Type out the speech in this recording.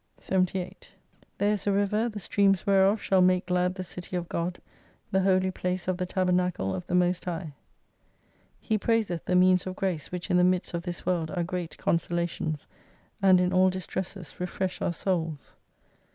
78 There is a river, the streams %&hereof shall make glad the City of God, the holy place of the tabernacle of the Most High. He praiseth the means of grace which in the midst of this world are great consolations, and in all distresses, refresh our souls.